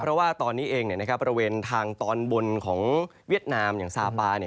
เพราะว่าตอนนี้เองเนี่ยนะครับประเวณทางตอนบนของเวียดนามอย่างซาปาเนี่ย